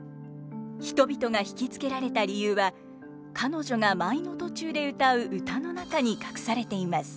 人々が引き付けられた理由は彼女が舞の途中で歌う歌の中に隠されています。